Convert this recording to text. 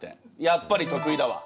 やっぱり得意だわ。